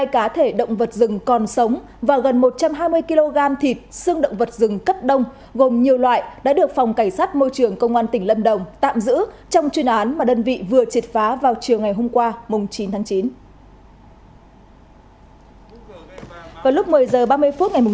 hai mươi cá thể động vật rừng còn sống và gần một trăm hai mươi kg thịt xương động vật rừng cấp đông gồm nhiều loại đã được phòng cảnh sát môi trường công an tỉnh lâm đồng tạm giữ trong chuyên án mà đơn vị vừa triệt phá vào chiều ngày hôm qua chín tháng chín